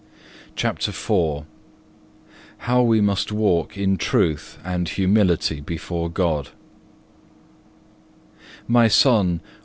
CHAPTER IV How we must walk in truth and humility before God "My Son!